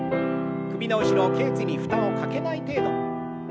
首の後ろけい椎に負担をかけない程度。